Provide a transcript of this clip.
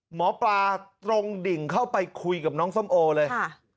หมอปลาตรงดิ่งเข้าไปคุยกับน้องส้มโอเลย